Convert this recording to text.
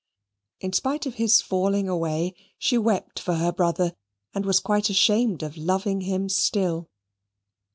In spite of his falling away, she wept for her brother, and was quite ashamed of loving him still.